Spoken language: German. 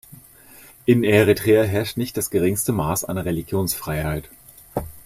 In Eritrea herrscht nicht das geringste Maß an Religionsfreiheit.